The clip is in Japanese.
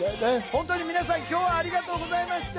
本当に皆さん今日はありがとうございました！